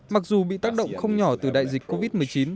mặc dù bị tác động không nhỏ từ đại dịch covid một mươi chín